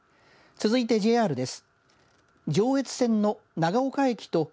続いてＪＲです。